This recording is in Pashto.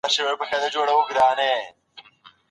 سياستوال تر خپل توان زيات پرواز ونکړ.